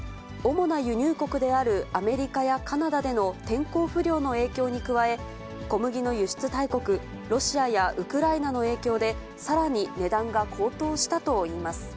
主な輸入国であるアメリカやカナダでの天候不良の影響に加え、小麦の輸出大国、ロシアやウクライナの影響で、さらに値段が高騰したといいます。